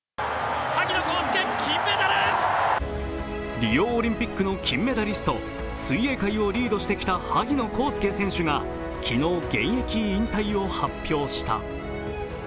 リオオリンピックの金メダリスト、水泳界をリードしてきた萩野公介選手が昨日、現役引退を発表した。